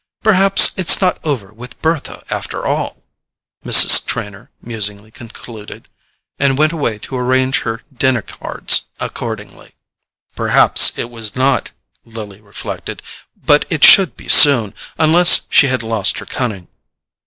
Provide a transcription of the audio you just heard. Perhaps it's not over with Bertha after all," Mrs. Trenor musingly concluded; and went away to arrange her dinner cards accordingly. Perhaps it was not, Lily reflected; but it should be soon, unless she had lost her cunning.